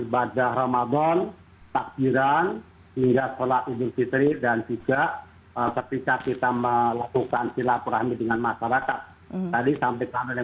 bagaimana kemudian memastikan